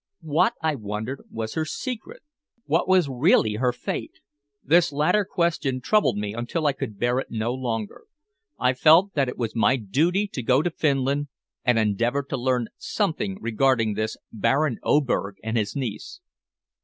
What, I wondered, was her secret? What was really her fate? This latter question troubled me until I could bear it no longer. I felt that it was my duty to go to Finland and endeavor to learn something regarding this Baron Oberg and his niece.